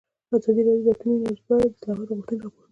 ازادي راډیو د اټومي انرژي په اړه د اصلاحاتو غوښتنې راپور کړې.